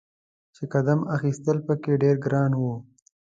چې قدم اخیستل په کې ډیر ګران و.